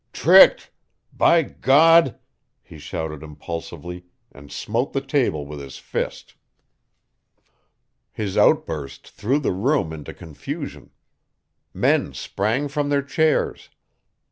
"Tricked by God!" he shouted impulsively, and smote the table with his fist. His outburst threw the room into confusion. Men sprang from their chairs.